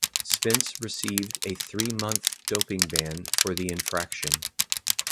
Spence received a three-month doping ban for the infraction.